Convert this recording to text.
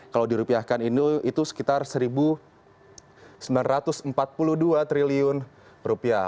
kalau dirupiahkan itu sekitar satu sembilan ratus empat puluh dua triliun rupiah